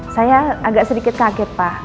saya agak sedikit kaget pak